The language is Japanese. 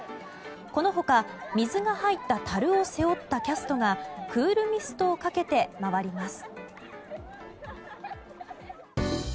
この他、水が入ったたるを背負ったキャストがクールミストをかけて回ります。